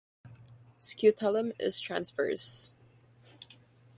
Scutellum is transverse.